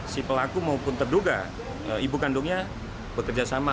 si pelaku maupun terduga ibu kandungnya bekerjasama